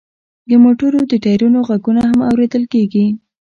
د موټرو د ټیرونو غږونه هم اوریدل کیږي